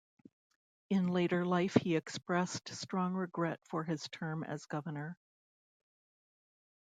In later life he expressed strong regret for his term as governor.